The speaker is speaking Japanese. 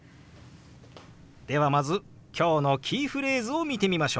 ではまず今日のキーフレーズを見てみましょう。